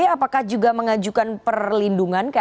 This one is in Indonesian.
apakah juga mengajukan perlindungan ke lpsk